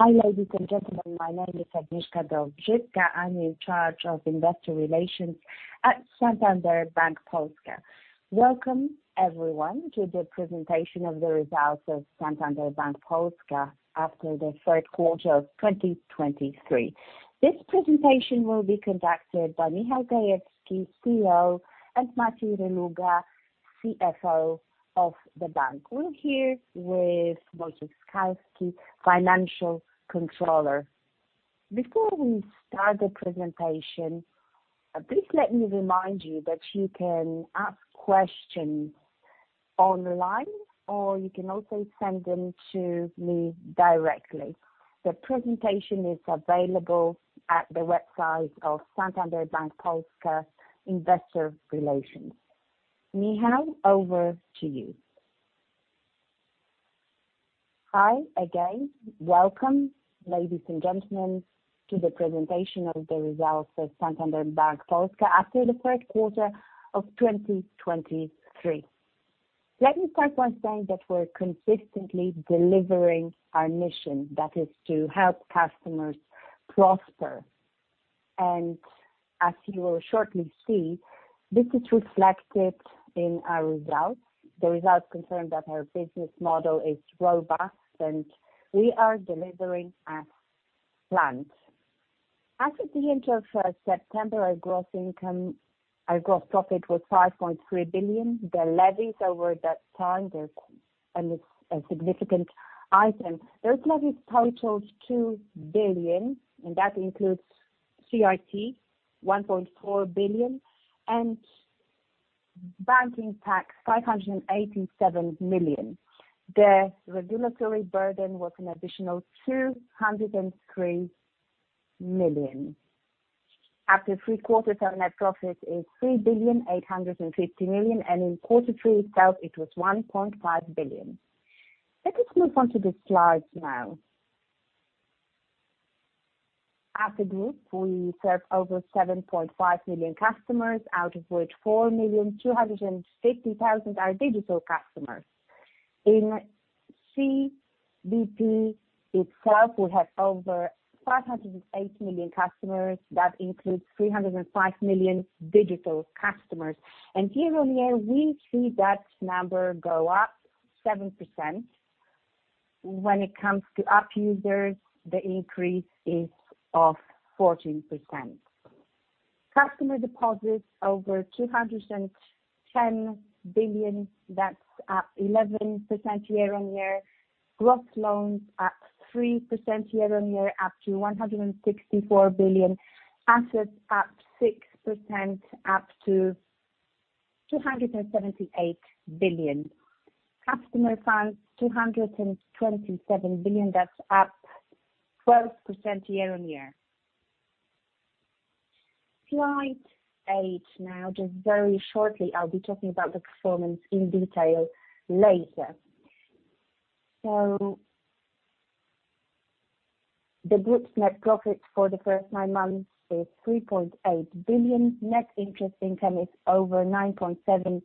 Hi, ladies and gentlemen. My name is Agnieszka Dowżycka. I'm in charge of investor relations at Santander Bank Polska. Welcome, everyone, to the presentation of the results of Santander Bank Polska after the third quarter of 2023. This presentation will be conducted by Michał Gajewski, CEO, and Maciej Reluga, CFO of the bank. We're here with Wojciech Skalski, financial controller. Before we start the presentation, please let me remind you that you can ask questions online, or you can also send them to me directly. The presentation is available at the website of Santander Bank Polska Investor Relations. Michał, over to you. Hi again. Welcome, ladies and gentlemen, to the presentation of the results of Santander Bank Polska after the first quarter of 2023. Let me start by saying that we're consistently delivering our mission, that is to help customers prosper. As you will shortly see, this is reflected in our results. The results confirm that our business model is robust, and we are delivering as planned. As at the end of September, our gross income, our gross profit was 5.3 billion. The levies over that time is, and it's a significant item. Those levies totaled 2 billion, and that includes CIT, 1.4 billion, and banking tax, 587 million. The regulatory burden was an additional 203 million. After three quarters, our net profit is 3.85 billion, and in quarter three itself, it was 1.5 billion. Let us move on to the slides now. As a group, we serve over 7.5 million customers, out of which 4.26 million are digital customers. In SBP itself, we have over 5.8 million customers. That includes 3.05 million digital customers. Year-on-year, we see that number go up 7%. When it comes to app users, the increase is of 14%. Customer deposits over 210 billion, that's up 11% year-on-year. Gross loans, up 3% year-on-year, up to 164 billion. Assets, up 6%, up to 278 billion. Customer funds, 227 billion, that's up 12% year-on-year. Slide 8 now. Just very shortly, I'll be talking about the performance in detail later. So, the group's net profit for the first nine months is 3.8 billion. Net interest income is over 9.7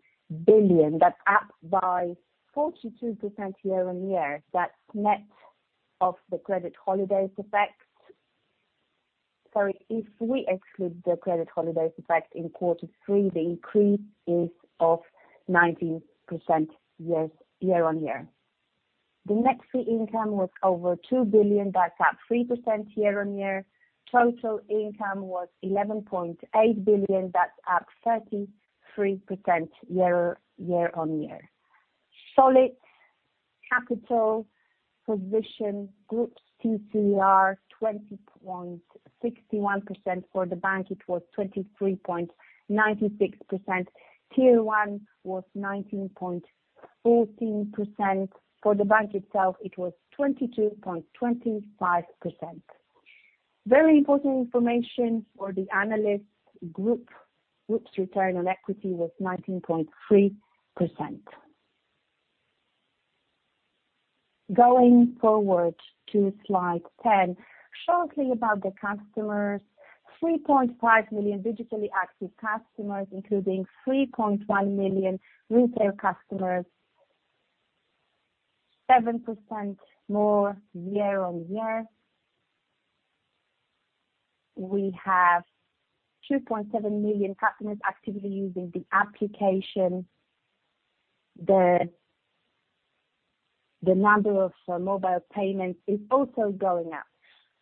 billion. That's up by 42% year-on-year. That's net of the credit holidays effect. Sorry. If we exclude the credit holidays effect in quarter three, the increase is of 19% year-on-year. The next fee income was over 2 billion. That's up 3% year-on-year. Total income was 11.8 billion. That's up 33% year-on-year. Solid capital position, group TCR, 20.61%. For the bank, it was 23.96%. Tier 1 was 19.14%. For the bank itself, it was 22.25%. Very important information for the analyst group. Group's return on equity was 19.3%. Going forward to slide 10, shortly about the customers. 3.5 million digitally active customers, including 3.1 million retail customers, 7% more year-on-year. We have 2.7 million customers actively using the application. The number of mobile payments is also going up.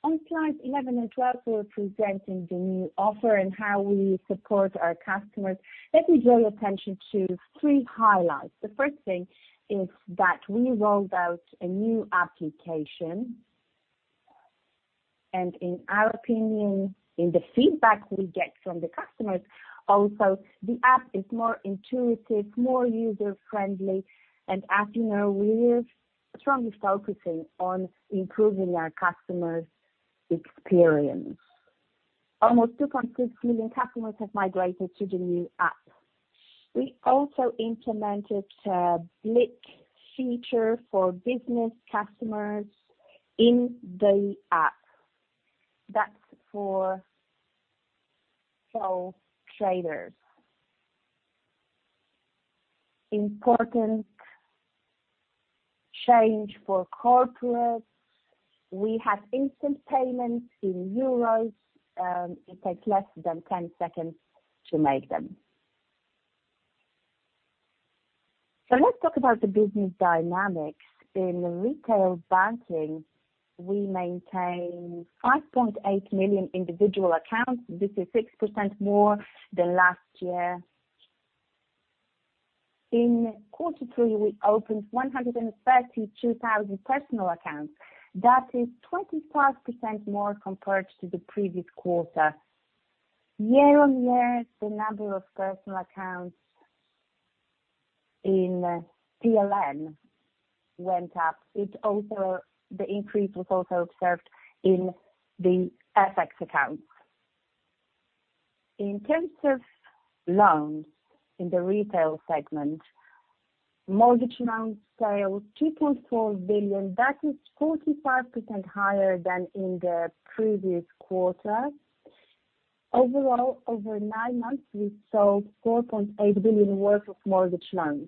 On slides 11 and 12, we're presenting the new offer and how we support our customers. Let me draw your attention to three highlights. The first thing is that we rolled out a new application. In our opinion, in the feedback we get from the customers, also, the app is more intuitive, more user-friendly, and as you know, we are strongly focusing on improving our customers' experience. Almost 2.6 million customers have migrated to the new app. We also implemented a BLIK feature for business customers in the app. That's for sole traders.... important change for corporate. We have instant payments in euros, it takes less than 10 seconds to make them. Let's talk about the business dynamics. In retail banking, we maintain 5.8 million individual accounts. This is 6% more than last year. In quarter three, we opened 132,000 personal accounts. That is 25% more compared to the previous quarter. Year on year, the number of personal accounts in PLN went up. It also the increase was also observed in the FX accounts. In terms of loans in the retail segment, mortgage loans sales 2.4 billion, that is 45% higher than in the previous quarter. Overall, over nine months, we sold 4.8 billion worth of mortgage loans.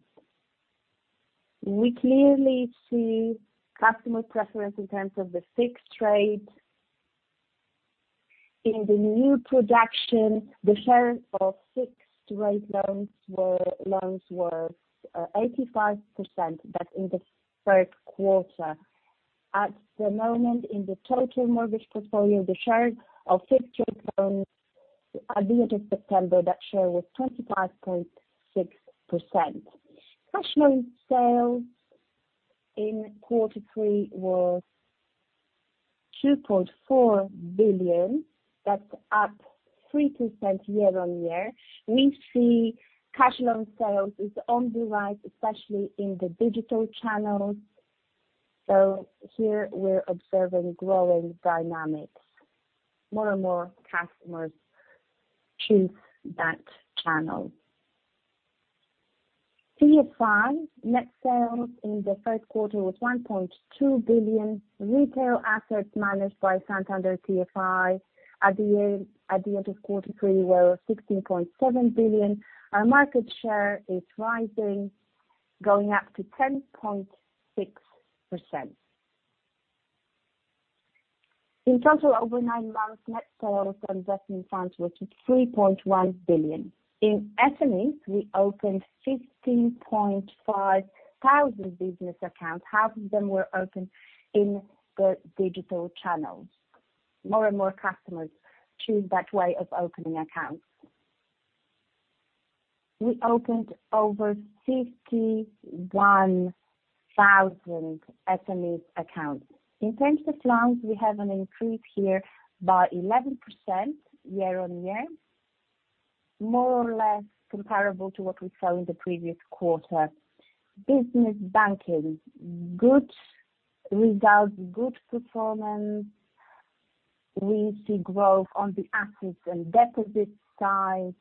We clearly see customer preference in terms of the fixed rate. In the new production, the share of fixed rate loans were 85%, that's in the third quarter. At the moment, in the total mortgage portfolio, the share of fixed rate loans at the end of September, that share was 25.6%. Cash loan sales in quarter three was 2.4 billion, that's up 3% year-on-year. We see cash loan sales is on the rise, especially in the digital channels. So here we're observing growing dynamics. More and more customers choose that channel. TFI net sales in the third quarter was 1.2 billion. Retail assets managed by Santander TFI at the end, at the end of quarter three were 16.7 billion. Our market share is rising, going up to 10.6%. In total, over nine months, net sales from investment funds were 3.1 billion. In SMEs, we opened 15,500 business accounts, half of them were opened in the digital channels. More and more customers choose that way of opening accounts. We opened over 51,000 SME accounts. In terms of loans, we have an increase here by 11% year-on-year, more or less comparable to what we saw in the previous quarter. Business banking, good results, good performance. We see growth on the assets and deposits side,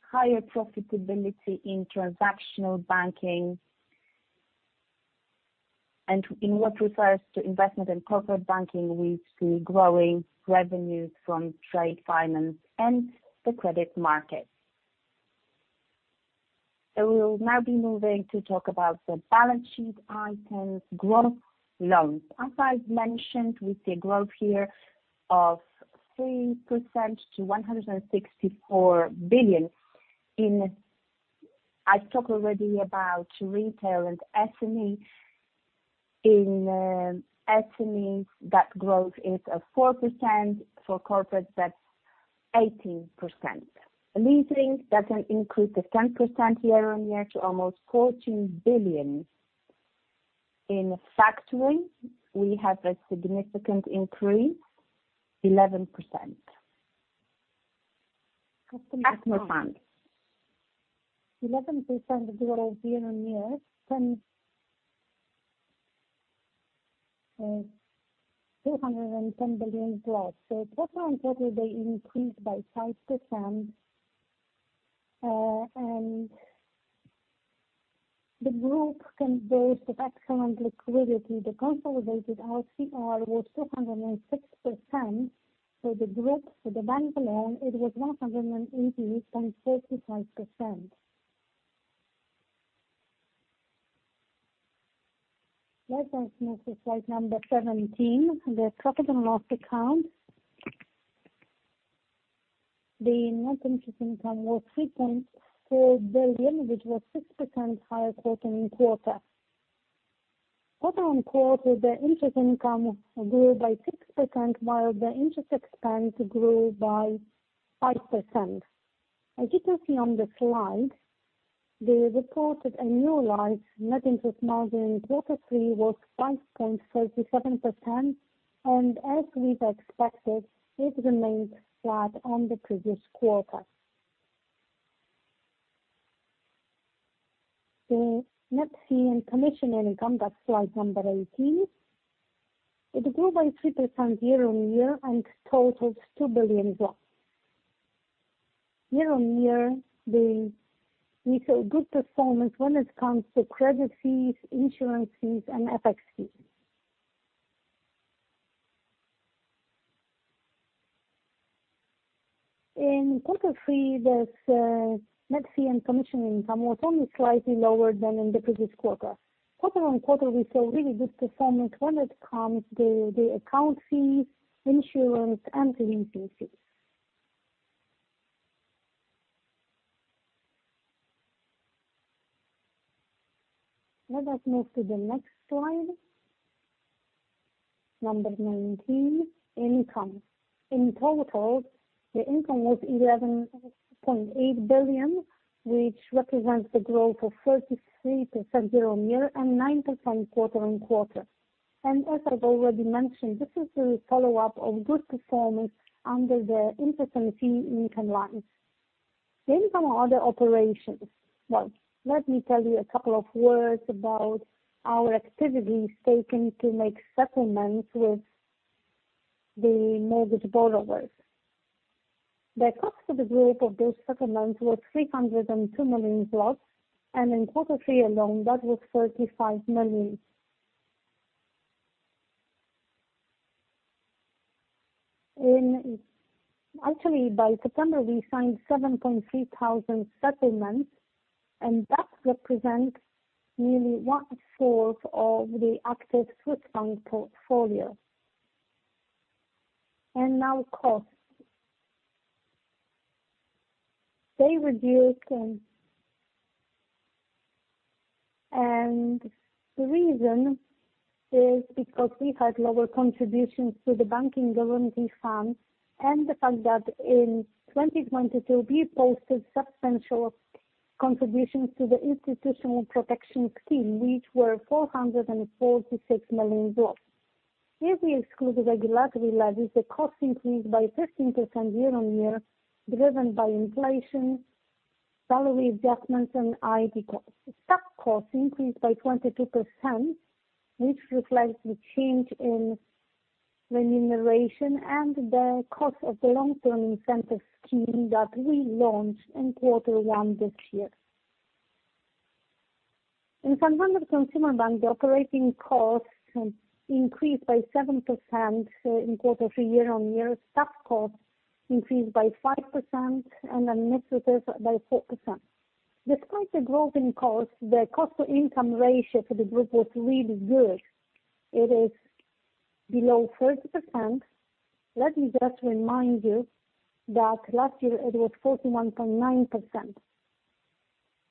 higher profitability in transactional banking. And in what refers to investment and corporate banking, we see growing revenues from trade finance and the credit market. So we will now be moving to talk about the balance sheet items, growth, loans. As I've mentioned, we see a growth here of 3% to 164 billion. I've talked already about retail and SME. In SME, that growth is 4%, for corporate, that's 18%. Leasing, that's an increase of 10% year-on-year to almost 14 billion. In factoring, we have a significant increase, 11%. Customer funds, 11% growth year-on-year, PLN 210 billion+. So quarter-on-quarter, they increased by 5%, and the group can boast of excellent liquidity. The consolidated LCR was 206%. So the group, for the bank alone, it was 180.45%. Let us move to slide 17, the profit and loss account. The net interest income was PLN 3.4 billion, which was 6% higher quarter-on-quarter. Quarter-on-quarter, the interest income grew by 6%, while the interest expense grew by 5%. As you can see on the slide, they reported annualized net interest margin in quarter three was 5.37%, and as we've expected, it remains flat on the previous quarter. The net fee and commission income, that's slide 18. It grew by 3% year-on-year and totaled 2 billion+. Year-on-year, we saw good performance when it comes to credit fees, insurance fees, and FX fees. In quarter three, there's net fee and commission income was only slightly lower than in the previous quarter. Quarter-on-quarter, we saw really good performance when it comes to the account fees, insurance and leasing fees. Let us move to the next slide. Number 19, income. In total, the income was 11.8 billion, which represents the growth of 33% year-on-year and 9% quarter-on-quarter. And as I've already mentioned, this is the follow-up of good performance under the interest and fee income lines. The income other operations. Well, let me tell you a couple of words about our activities taken to make settlements with the mortgage borrowers. The cost to the group of those settlements was 302 million, and in quarter three alone, that was 35 million. Actually, by September, we signed 7.3 thousand settlements, and that represents nearly one-fourth of the active Swiss franc portfolio. And now costs. They reduced, and the reason is because we had lower contributions to the Banking Guarantee Fund and the fact that in 2022, we posted substantial contributions to the Institutional Protection Scheme, which were PLN 446 million. If we exclude the regulatory levies, the cost increased by 13% year-on-year, driven by inflation, salary adjustments and IT costs. Staff costs increased by 22%, which reflects the change in remuneration and the cost of the long-term incentive scheme that we launched in quarter one this year. In Santander Consumer Bank, the operating costs increased by 7% in quarter three year-on-year. Staff costs increased by 5% and then net by 4%. Despite the growth in costs, the cost to income ratio for the group was really good. It is below 30%. Let me just remind you that last year it was 41.9%.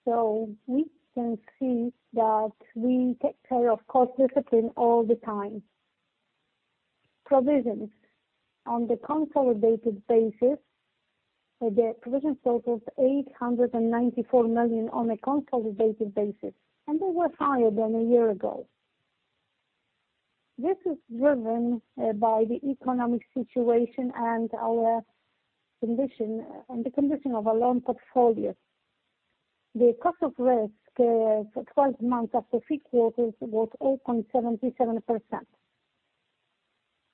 So we can see that we take care of cost discipline all the time. Provisions. On the consolidated basis, the provisions totaled 894 million on a consolidated basis, and they were higher than a year ago. This is driven by the economic situation and our condition and the condition of our loan portfolio. The cost of risk for 12 months after three quarters was 8.77%.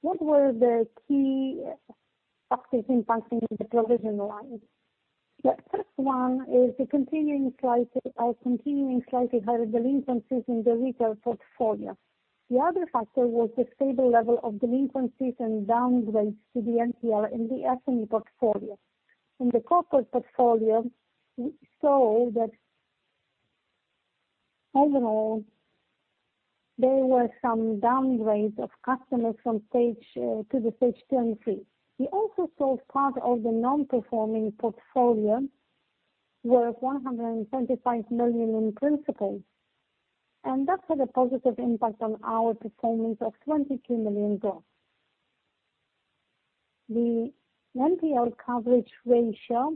What were the key factors impacting the provision line? The first one is the continuing slight, continuing slightly higher delinquencies in the retail portfolio. The other factor was the stable level of delinquencies and downgrades to the NPL in the SME portfolio. In the corporate portfolio, we saw that overall, there were some downgrades of customers from stage to the stage two and three. We also saw part of the non-performing portfolio worth 125 million in principal, and that had a positive impact on our performance of $22 million. The NPL coverage ratio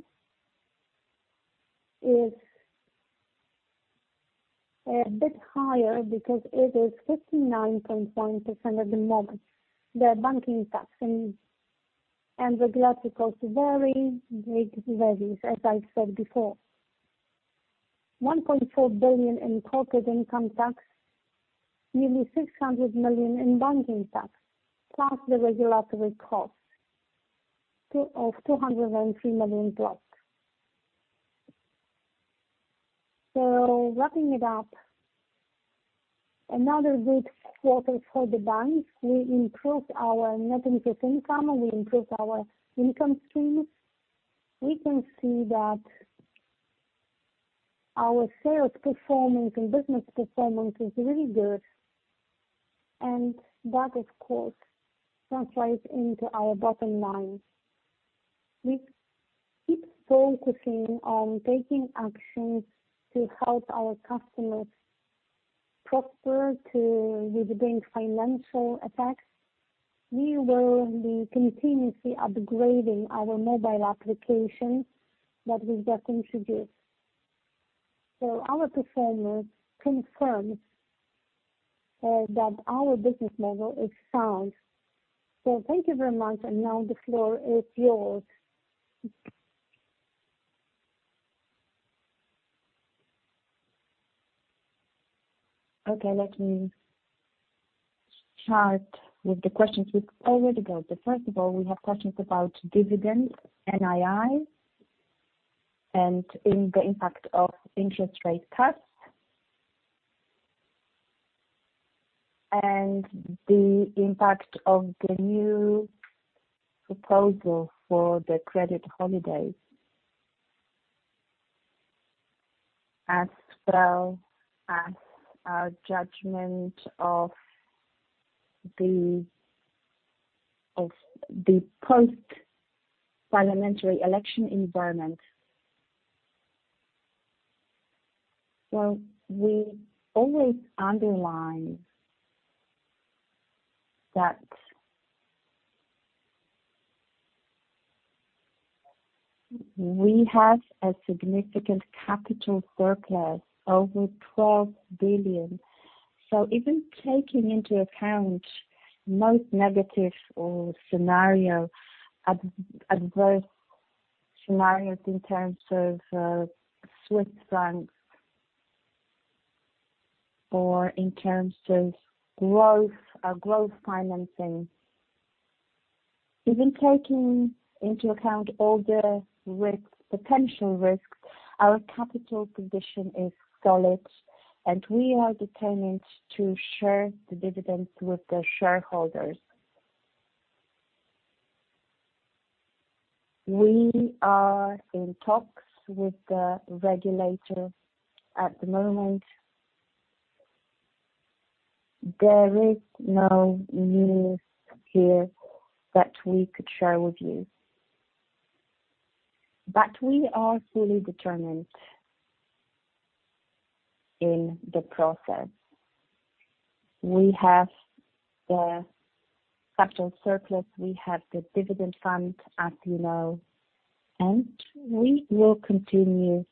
is a bit higher because it is 59.1% at the moment. The banking tax and the regulatory costs vary, make varies as I said before. 1.4 billion in corporate income tax, nearly 600 million in banking tax, plus the regulatory costs of 203 million zlotys. So wrapping it up, another good quarter for the bank. We improved our net interest income, and we improved our income stream. We can see that our sales performance and business performance is really good, and that, of course, translates into our bottom line. We keep focusing on taking action to help our customers prosper, to withstand financial effects. We will be continuously upgrading our mobile application that we just introduced. So our performance confirms that our business model is sound. So thank you very much, and now the floor is yours. Okay, let me start with the questions we already got. So first of all, we have questions about dividend, NII, and in the impact of interest rate cuts… and the impact of the new proposal for the credit holidays, as well as our judgment of the post-parliamentary election environment. Well, we always underline that we have a significant capital surplus over 12 billion. So even taking into account most negative or scenario, adverse scenarios in terms of Swiss francs or in terms of growth, growth financing, even taking into account all the risks, potential risks, our capital position is solid, and we are determined to share the dividends with the shareholders. We are in talks with the regulator at the moment. There is no news here that we could share with you, but we are fully determined in the process. We have the capital surplus, we have the dividend fund, as you know, and we will continue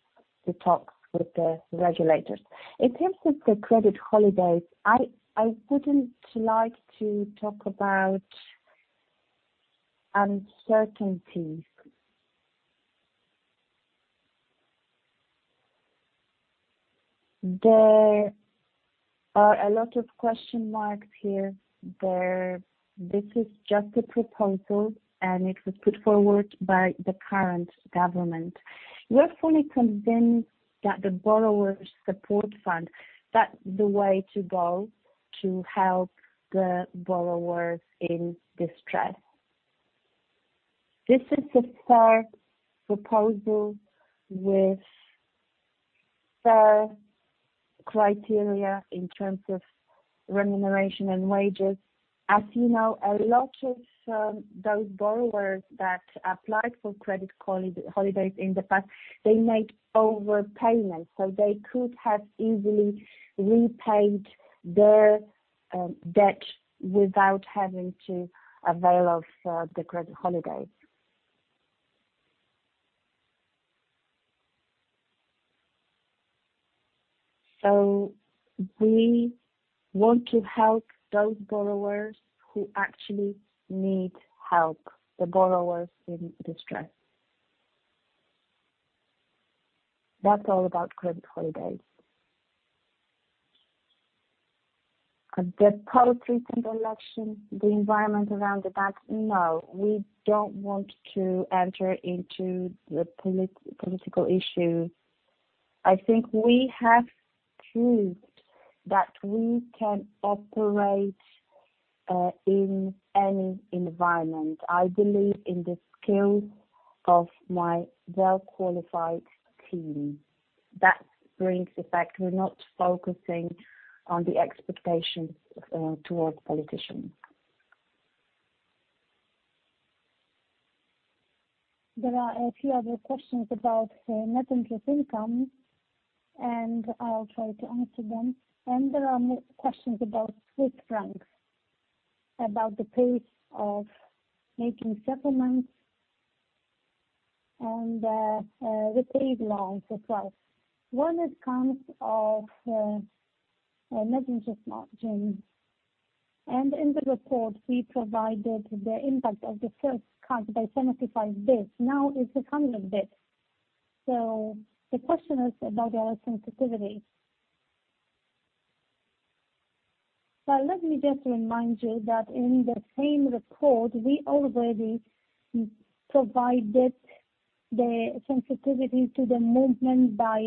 the talks with the regulators. In terms of the Credit Holidays, I wouldn't like to talk about uncertainties. There are a lot of question marks here. This is just a proposal, and it was put forward by the current government. We are fully convinced that the Borrower Support Fund, that's the way to go to help the borrowers in distress. This is a fair proposal with fair criteria in terms of remuneration and wages. As you know, a lot of those borrowers that applied for Credit Holidays in the past, they made overpayments, so they could have easily repaid their debt without having to avail of the Credit Holidays. So we want to help those borrowers who actually need help, the borrowers in distress. That's all about Credit Holidays. The post-recent election, the environment around the bank, no, we don't want to enter into the political issue. I think we have proved that we can operate in any environment. I believe in the skill of my well-qualified team. That brings the fact we're not focusing on the expectations towards politicians. There are a few other questions about the net interest income, and I'll try to answer them. There are more questions about Swiss francs, about the pace of making settlements and repaid loans as well. One is on net interest margin, and in the report, we provided the impact of the first cut by 75 bps. Now, it's 100 bps. So the question is about our sensitivity. But let me just remind you that in the same report, we already provided the sensitivity to the movement by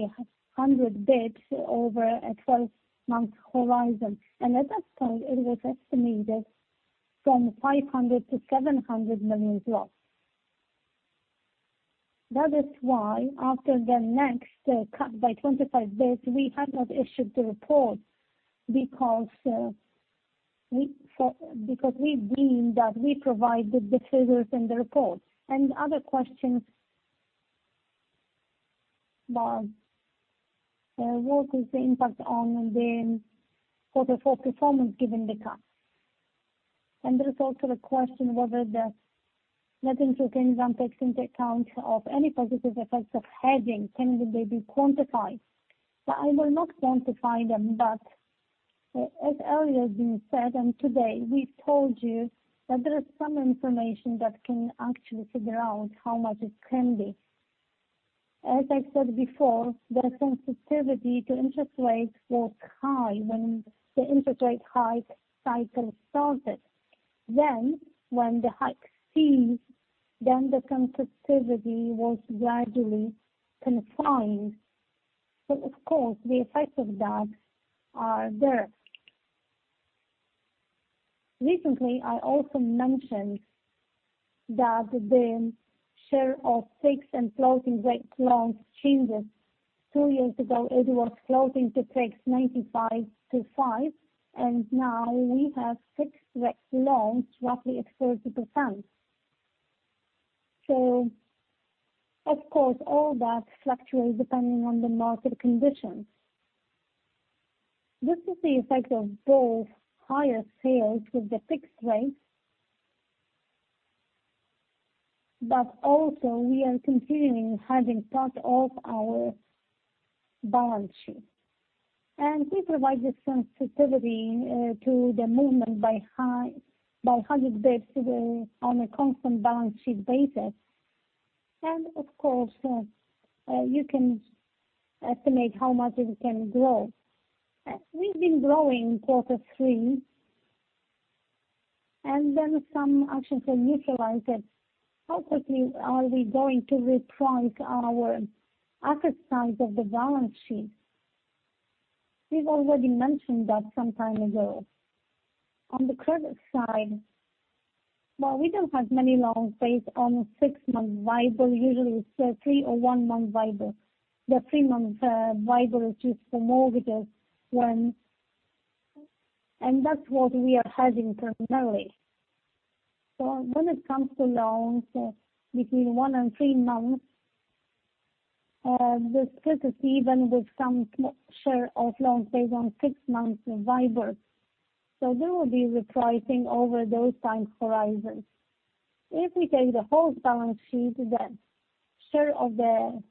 100 bps over a 12-month horizon. At that time, it was estimated from 500 million-700 million loss. That is why, after the next cut by 25 basis points, we have not issued the report because we deemed that we provided the figures in the report. And the other question, about, what is the impact on the quarter four performance given the cut? And there is also the question whether the net interest income takes into account of any positive effects of hedging. Can they be quantified? So I will not quantify them, but as earlier been said, and today we told you that there is some information that can actually figure out how much it can be. As I said before, the sensitivity to interest rates was high when the interest rate hike cycle started. Then when the hike ceased, then the sensitivity was gradually confined. So of course, the effects of that are there. Recently, I also mentioned that the share of fixed and floating rate loans changes. Two years ago, it was floating to fixed 95 to 5, and now we have fixed rate loans roughly at 30%. So of course, all that fluctuates depending on the market conditions. This is the effect of both higher sales with the fixed rate, but also we are continuing having part of our balance sheet, and we provide this sensitivity to the movement by high, by 100 basis points to the on a constant balance sheet basis. And of course, you can estimate how much it can grow. We've been growing quarter three, and then some actions are neutralized that how quickly are we going to reprice our asset side of the balance sheet? We've already mentioned that some time ago. On the credit side, well, we don't have many loans based on six month WIBOR. Usually, it's a three or one month WIBOR. The three month WIBOR is just for mortgages. And that's what we are having primarily. So when it comes to loans between one and three months, the split is even with some share of loans based on six months WIBOR. So there will be repricing over those time horizons. If we take the whole balance sheet, then share of the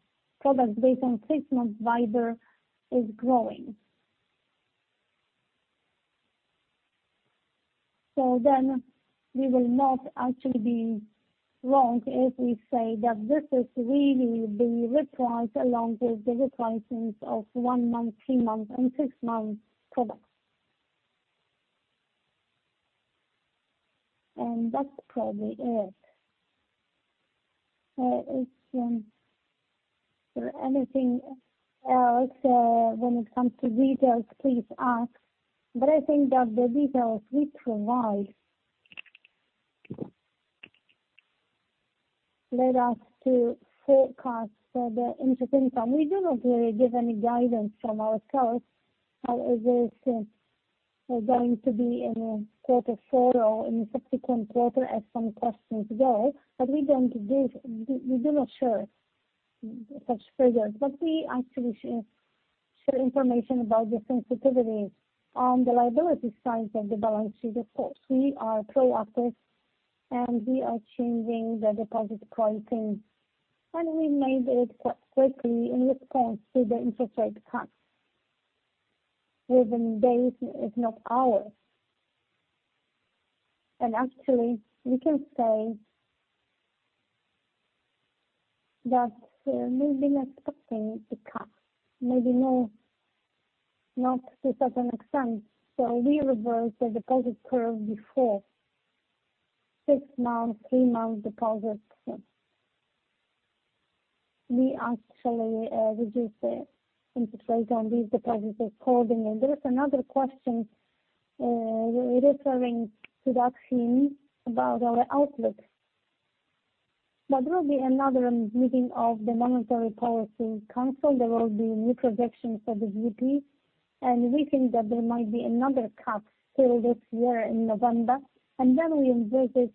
products based on six months WIBOR is growing. So then we will not actually be wrong if we say that this is really the reprice along with the repricins of one month, three months and six months products. And that's probably it. If, for anything else, when it comes to details, please ask. I think that the details we provide led us to forecast the interest income. We do not really give any guidance from our side. However, since we're going to be in quarter four or in the subsequent quarter, as some questions go, but we don't give. We do not share such figures, but we actually share information about the sensitivities on the liability side of the balance sheet. Of course, we are proactive, and we are changing the deposit pricing, and we made it quite quickly in response to the interest rate cuts, within days, if not hours. Actually, we can say that we've been expecting the cut, maybe not, to a certain extent. So we reversed the deposit curve before six months, three months deposits. We actually reduced the interest rate on these deposits accordingly. There is another question referring to that theme about our outlook. But there will be another meeting of the Monetary Policy Council. There will be new projections for the GDP, and we think that there might be another cut still this year in November. And then we envisage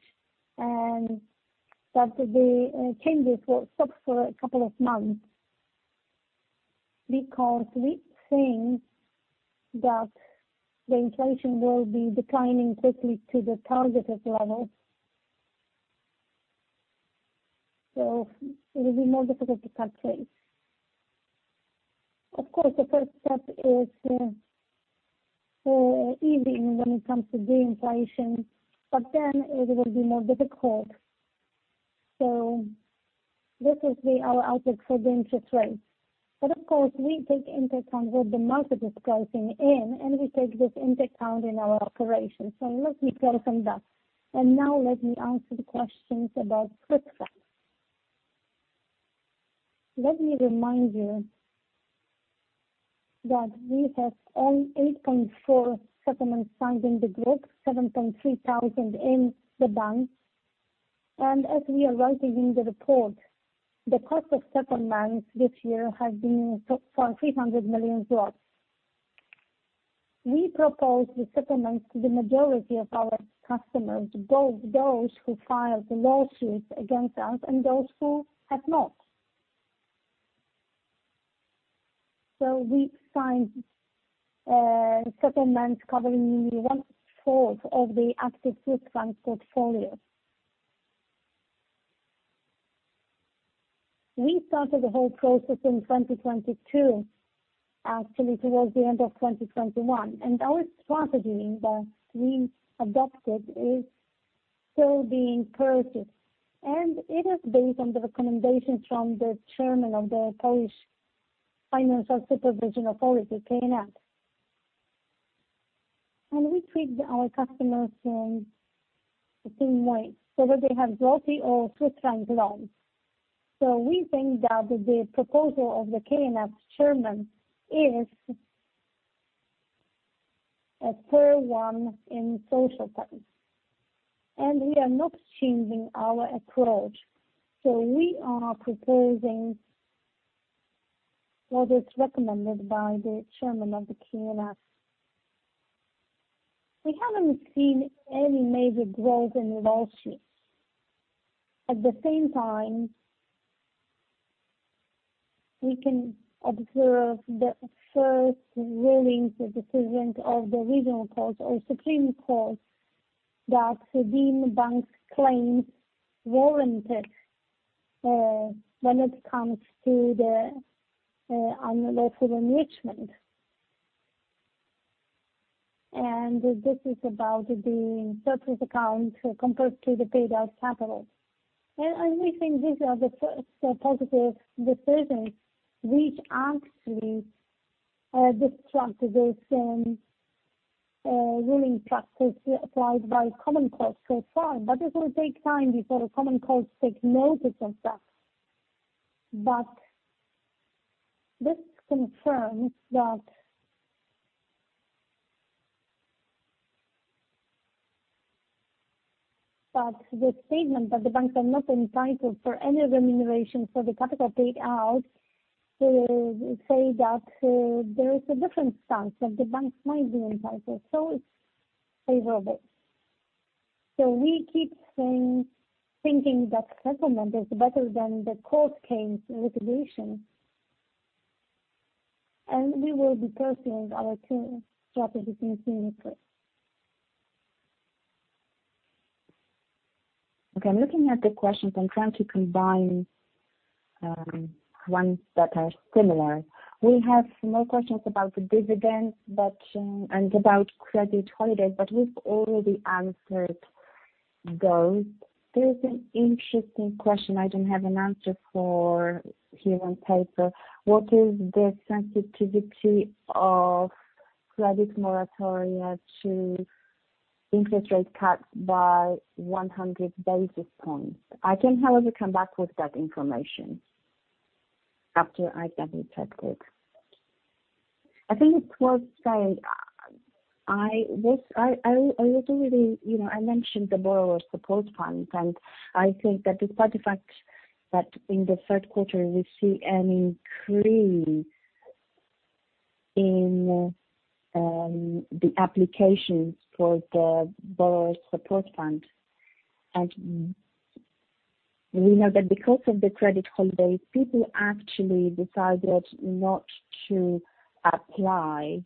that the changes will stop for a couple of months, because we think that the inflation will be declining quickly to the targeted level. So it will be more difficult to cut rates. Of course, the first step is easing when it comes to the inflation, but then it will be more difficult. So this is our outlook for the interest rates. But of course, we take into account what the market is pricing in, and we take this into account in our operations. So let me focus on that. Now let me answer the questions about Swiss francs. Let me remind you that we have only 8.4 settlements signed in the group, 7.3 thousand in the bank. And as we are writing in the report, the cost of settlements this year has been for PLN 300 million. We propose the settlements to the majority of our customers, both those who filed the lawsuits against us and those who have not. So we signed settlements covering one fourth of the active Swiss francs portfolio. We started the whole process in 2022, actually towards the end of 2021, and our strategy that we adopted is still being pursued, and it is based on the recommendations from the Chairman of the Polish Financial Supervisory Authority, KNF. And we treat our customers in the same way, whether they have or Swiss franc loans. We think that the proposal of the KNF chairman is a fair one in social terms, and we are not changing our approach. We are proposing what is recommended by the chairman of the KNF. We haven't seen any major growth in balance sheets. At the same time, we can observe the first rulings, the decisions of the regional courts or Supreme Court, that the banks' claims warranted, when it comes to the unlawful enrichment. And this is about the surplus account compared to the paid-out capital. And we think these are the first positive decisions, which actually disrupt this ruling practice applied by common courts so far. But it will take time before the common courts take notice of that. But this confirms that, that the statement that the banks are not entitled for any remuneration for the capital paid out, say that, there is a different stance, that the banks might be entitled, so it's favorable. So we keep thinking that settlement is better than the court case litigation. We will be pursuing our two strategies in synergy. Okay, I'm looking at the questions. I'm trying to combine, ones that are similar. We have more questions about the dividends, but, and about credit holidays, but we've already answered those. There's an interesting question I don't have an answer for here on paper: What is the sensitivity of credit moratoria to interest rate cuts by 100 basis points? I can, however, come back with that information after I double-check it. I think it's worth saying, I already, you know, I mentioned the Borrower Support Fund, and I think that despite the fact that in the third quarter we see an increase in the applications for the Borrower Support Fund, and we know that because of the Credit Holidays, people actually decided not to apply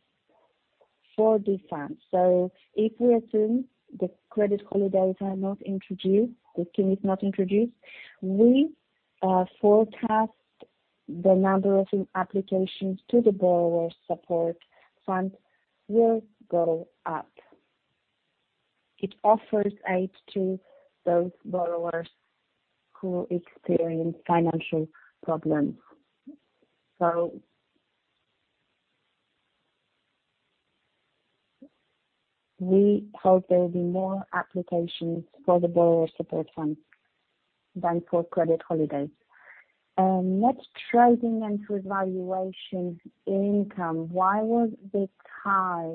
for this fund. So if we assume the Credit Holidays are not introduced, the team is not introduced, we forecast the number of applications to the Borrower Support Fund will go up. It offers aid to those borrowers who experience financial problems. So, we hope there will be more applications for the Borrower Support Fund than for Credit Holidays. Net trading and revaluation income, why was this high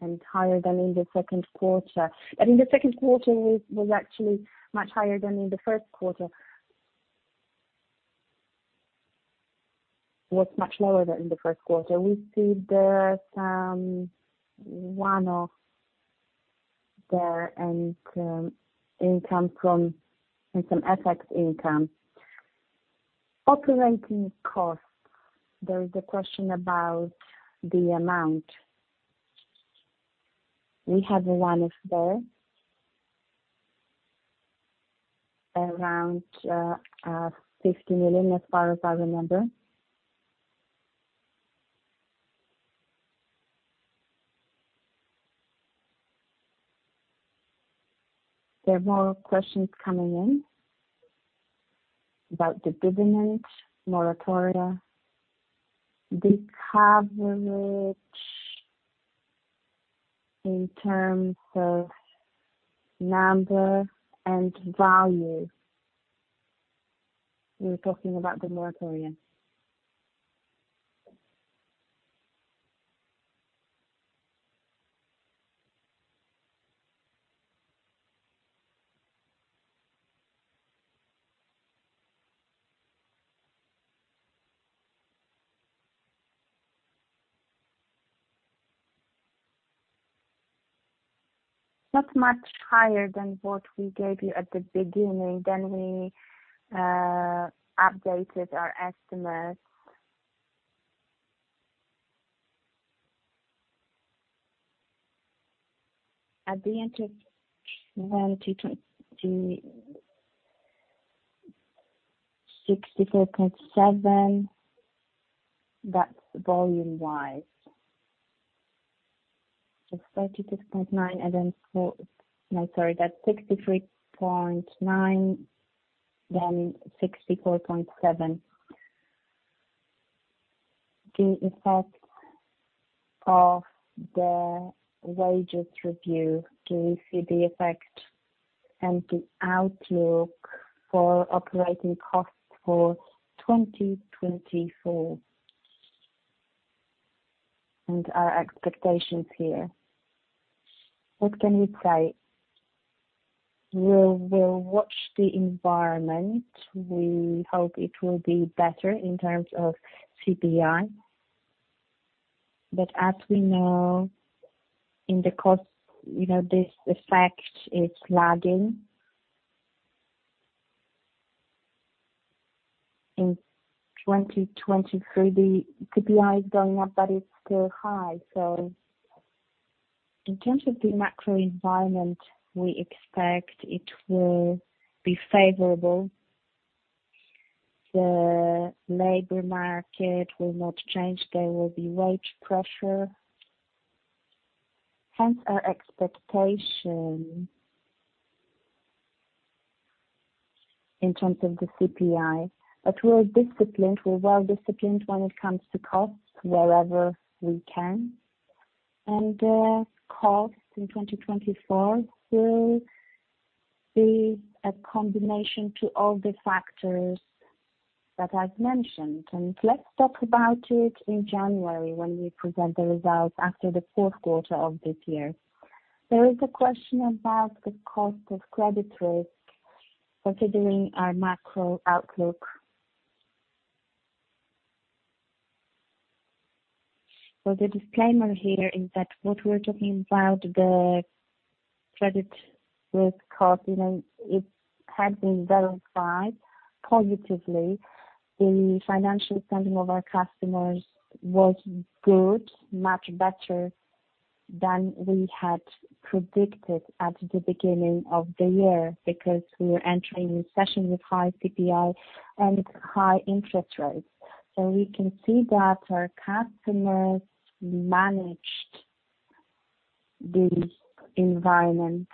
and higher than in the second quarter? In the second quarter, it was actually much higher than in the first quarter. Was much lower than in the first quarter. We see there some one-off there and, income from and some FX income. Operating costs. There is a question about the amount. We have one is there, around, 50 million, as far as I remember. There are more questions coming in about the dividend moratoria, the coverage in terms of number and value. We were talking about the moratoria. Not much higher than what we gave you at the beginning, then we updated our estimates. At the end of 2020... 64.7, that's volume-wise. So 36.9, and then four-- no, sorry, that's 63.9, then 64.7.... the effect of the wages review. Do you see the effect and the outlook for operating costs for 2024? Our expectations here, what can we say? We'll, we'll watch the environment. We hope it will be better in terms of CPI. But as we know, in the cost, you know, this effect is lagging. In 2023, the CPI is going up, but it's still high. So in terms of the macro environment, we expect it will be favorable. The labor market will not change. There will be wage pressure, hence our expectation in terms of the CPI. But we're disciplined, we're well disciplined when it comes to costs wherever we can. And, costs in 2024 will be a combination to all the factors that I've mentioned. And let's talk about it in January when we present the results after the fourth quarter of this year. There is a question about the cost of credit risk considering our macro outlook. So the disclaimer here is that what we're talking about, the credit risk cost, you know, it had been verified positively. The financial standing of our customers was good, much better than we had predicted at the beginning of the year, because we were entering a recession with high CPI and high interest rates. So we can see that our customers managed this environment.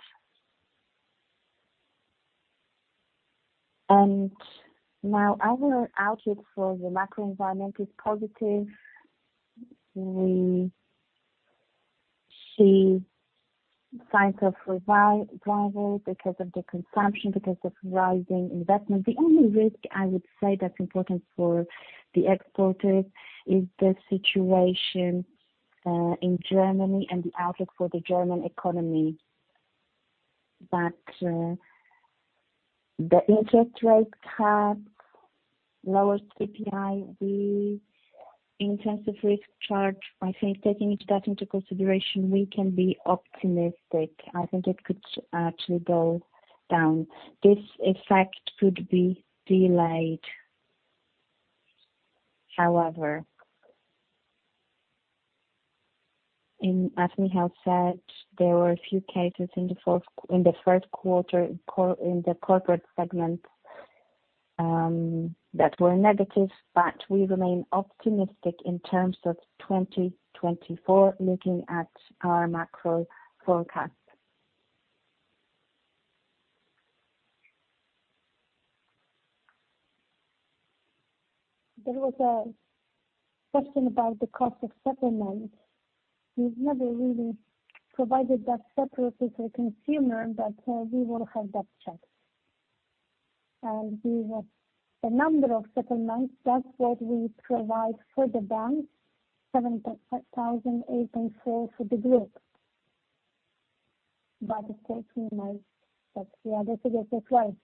And while our outlook for the macro environment is positive, we see signs of revival because of the consumption, because of rising investment. The only risk I would say that's important for the exporters is the situation in Germany and the outlook for the German economy. But the interest rates have lowered CPI. The cost of risk, I think taking that into consideration, we can be optimistic. I think it could actually go down. This effect could be delayed. However, as we have said, there were a few cases in the first quarter, in the corporate segment, that were negative, but we remain optimistic in terms of 2024, looking at our macro forecast. There was a question about the cost of settlements. We've never really provided that separately for consumer, but we will have that checked. We have a number of settlements. That's what we provide for the bank, 7,008.4 for the group. But it takes months, but we are able to get this right.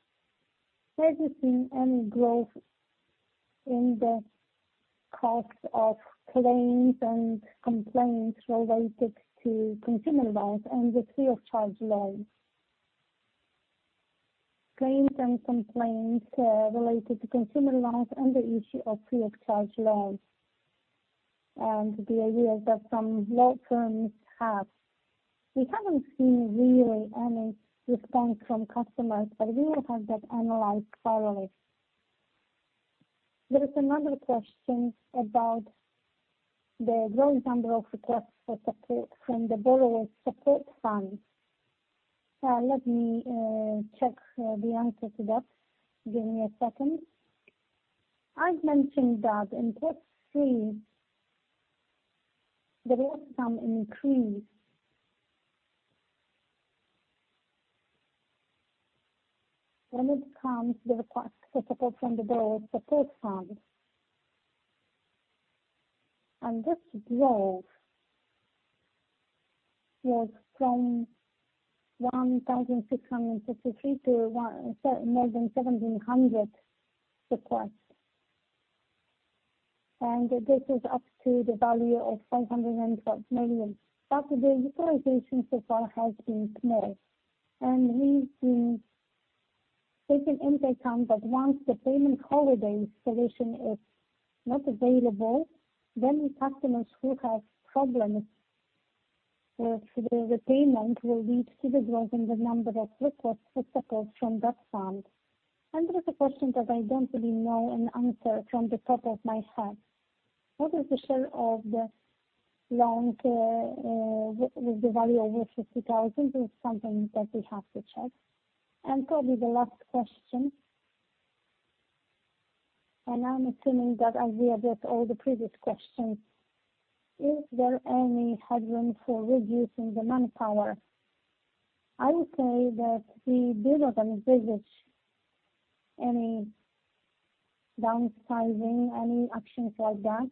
Have you seen any growth in the costs of claims and complaints related to consumer loans and the free of charge loans? Claims and complaints, related to consumer loans and the issue of free of charge loans, and the ideas that some law firms have. We haven't seen really any response from customers, but we will have that analyzed thoroughly. There is another question about the growing number of requests for support from the Borrower Support Fund. Let me check the answer to that. Give me a second. I've mentioned that in Q3, there was some increase when it comes to the request for support from the Borrower Support Fund. And this growth was from 1,663 to more than 1,700 requests, and this is up to the value of 512 million. But the utilization so far has been small, and we've been taking into account that once the payment holiday solution is not available, then the customers who have problems with the repayment will lead to the growth in the number of requests for support from that fund. There is a question that I don't really know an answer from the top of my head. What is the share of the loan with the value over 50,000 is something that we have to check. And probably the last question, and I'm assuming that as we address all the previous questions, is there any headroom for reducing the manpower? I would say that we do not envisage any downsizing, any actions like that.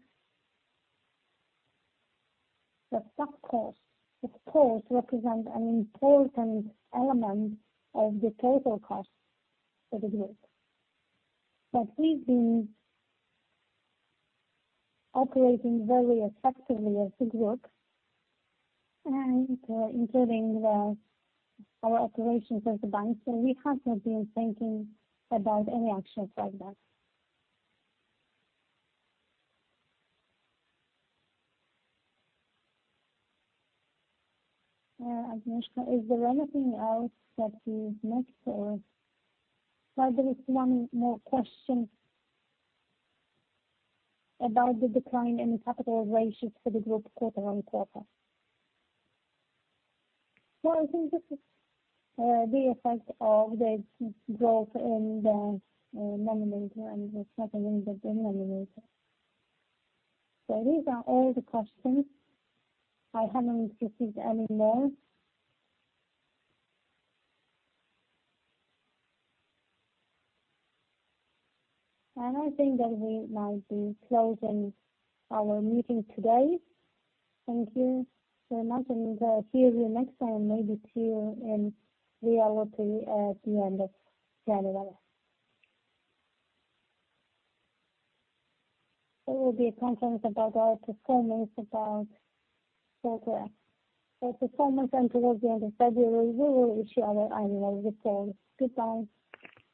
The stock costs, of course, represent an important element of the total cost for the group. But we've been operating very effectively as a group and, including the, our operations as a bank. So we have not been thinking about any actions like that. Agnieszka, is there anything else that is next or? Well, there is one more question about the decline in capital ratios for the group quarter-on-quarter. Well, I think this is the effect of the growth in the numerator and the capital in the denominator. So these are all the questions. I haven't received any more. And I think that we might be closing our meeting today. Thank you so much, and see you the next time, maybe see you in reality at the end of January. There will be a conference about our performance, about quarter. So performance until the end of February, we will issue our annual returns. Goodbye!